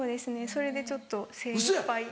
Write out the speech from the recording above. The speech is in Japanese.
それでちょっと精いっぱい。